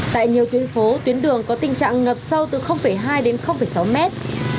tại nhiều tuyến phố tuyến đường có tình trạng ngập sâu từ hai đến sáu mét